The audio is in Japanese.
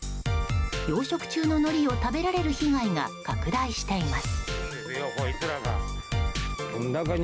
養殖中ののりを食べられる被害が拡大しています。